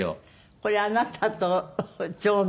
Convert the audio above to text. これあなたと長男？